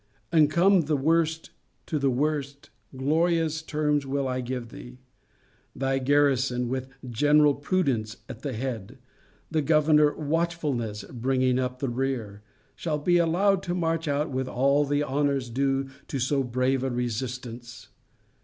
And come the worst to the worst, glorious terms will I give thee. Thy garrison, with general Prudence at the head, and governor Watchfulness bringing up the rear, shall be allowed to march out with all the honours due to so brave a resistance.